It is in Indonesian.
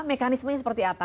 mekanismenya seperti apa